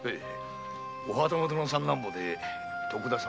お旗本の三男坊で徳田様。